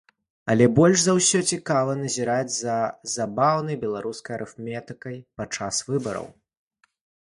Але больш за ўсё цікава назіраць за забаўнай беларускай арыфметыкай падчас выбараў.